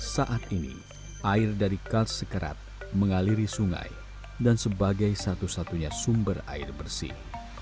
saat ini air dari kars sekerat mengaliri sungai dan sebagai satu satunya sumber air bersih